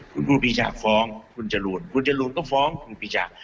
คุณครูปีชาฟ้องคุณจรูนคุณจรูนก็ฟ้องคุณปีชา